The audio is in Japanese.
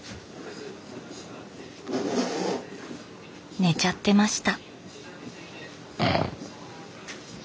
寝ちゃってました。